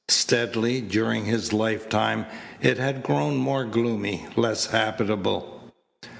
Steadily during his lifetime it had grown more gloomy, less habitable.